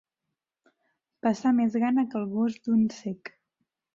Passar més gana que el gos d'un cec.